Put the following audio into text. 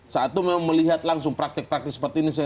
saat itu memang melihat langsung praktik praktik seperti ini